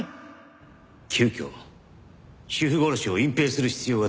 急きょ主婦殺しを隠蔽する必要が出てきた。